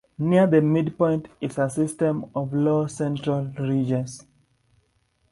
Near the midpoint is a system of low central ridges.